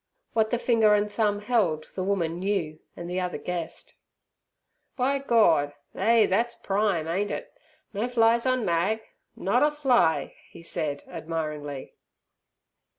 What the finger and thumb held the woman knew and the other guessed. "By Gord. Eh! thet's prime; ain't it? No flies on Mag; not a fly!" he said, admiringly.